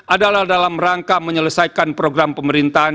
adalah dalam rangka menyelesaikan program pemerintahan